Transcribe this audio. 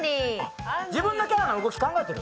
自分のキャラの動き考えてる？